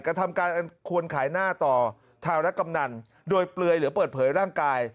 กระทำการอันควรขายหน้าต่อธารกำนันโดยเปลือยหรือเปิดเผยร่างกาย